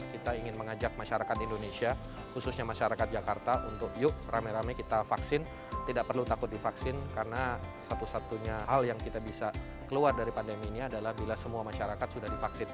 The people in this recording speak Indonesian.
kita ingin mengajak masyarakat indonesia khususnya masyarakat jakarta untuk yuk rame rame kita vaksin tidak perlu takut divaksin karena satu satunya hal yang kita bisa keluar dari pandemi ini adalah bila semua masyarakat sudah divaksin